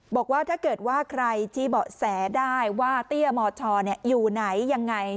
บอกว่าถ้าเกิดว่าใครชี้เบาะแสได้ว่าเตี้ยมชอยู่ไหนยังไง